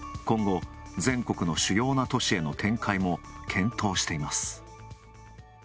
今後、全国の主要な都市への展開も検討しています。